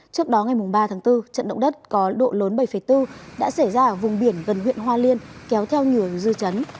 trước đó ngày ba tháng bốn trận động đất có độ lớn bảy bốn đã xảy ra ở vùng biển gần huyện hoa liên kéo theo nhiều dư chấn